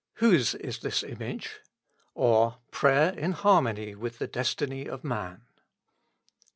*« Whose is this image? *' or, Prayer in harmony with the Destiny of Man.